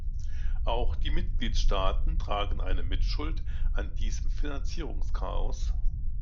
Auch die Mitgliedstaaten tragen eine Mitschuld an diesem Finanzierungschaos.